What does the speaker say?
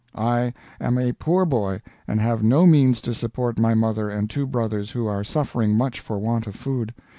I am a poor boy and have no means to support my mother and two brothers who are suffering much for want of food.